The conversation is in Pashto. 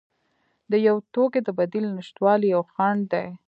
د یو توکي د بدیل نشتوالی یو خنډ دی.